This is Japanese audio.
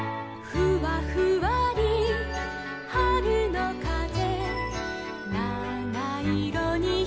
「ふわふわりはるのかぜ」